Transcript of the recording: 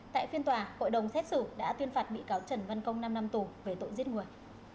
tại phiên tòa hội đồng xét xử đã tuyên phạt bị cáo trần văn công năm năm tù về tội giết người